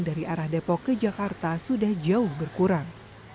dari arah depok ke jakarta sudah jauh berkurang